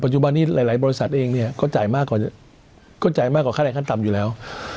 ปัจจุบันนี้หลายบริษัทเองเนี่ยก็จ่ายมากกว่าค่าแรงขั้นต่ำอยู่แล้ว